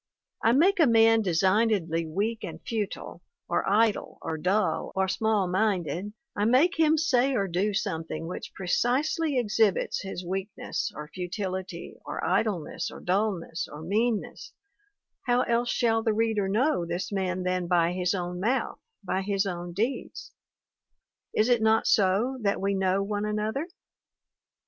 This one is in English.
I make a man designedly weak and futile, or idle, or dull, or small minded; I make him say or do something which precisely exhibits his weakness, or futility, or idleness, or dullness, or meanness; how else shall the reader know this man than by his own mouth, by his own deeds? Is it not so that we know one another?